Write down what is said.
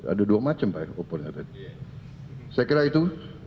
ada dua macam pak ya opornya tadi saya kira itu